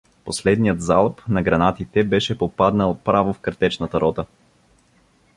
Последният залп на гранатите беше попаднал право в картечната рота.